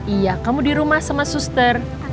iya kamu di rumah sama suster